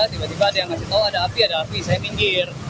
tiba tiba ada yang kasih tahu ada api ada api saya pinggir